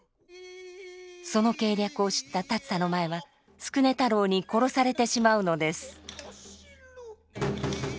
その計略を知った立田前は宿禰太郎に殺されてしまうのです。